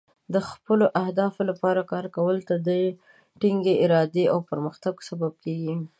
د خپلو اهدافو لپاره کار کول تل د ټینګې ارادې او پرمختګ سبب کیږي.